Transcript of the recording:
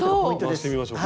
回してみましょうか。